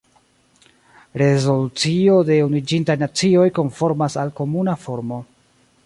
Rezolucio de Unuiĝintaj Nacioj konformas al komuna formo.